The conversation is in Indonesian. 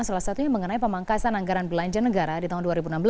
salah satunya mengenai pemangkasan anggaran belanja negara di tahun dua ribu enam belas